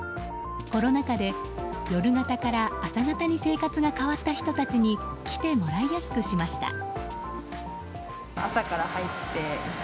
コロナ禍で夜型から朝型に生活が変わった人たちに来てもらいやすくしました。